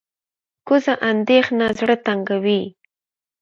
کوږه اندېښنه زړه تنګوي